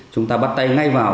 chúng ta bắt tay ngay vào